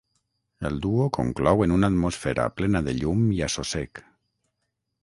El duo conclou en una atmosfera plena de llum i assossec.